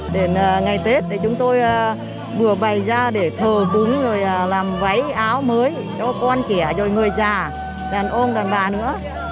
đến ngày tết thì chúng tôi vừa bày ra để thờ bứng rồi làm váy áo mới cho con trẻ rồi người già đàn ông đàn bà nữa